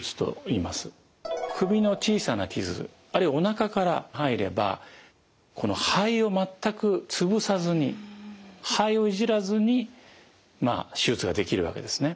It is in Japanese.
首の小さな傷あるいはおなかから入ればこの肺を全く潰さずに肺をいじらずに手術ができるわけですね。